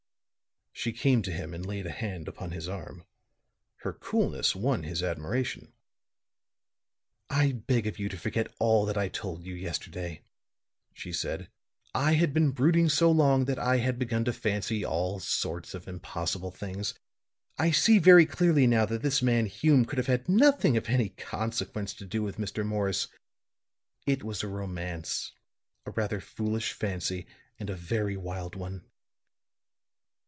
She came to him and laid a hand upon his arm. Her coolness won his admiration. "I beg of you to forget all that I told you yesterday," she said. "I had been brooding so long that I had begun to fancy all sorts of impossible things. I see very clearly now that this man Hume could have had nothing of any consequence to do with Mr. Morris. It was a romance a rather foolish fancy, and a very wild one."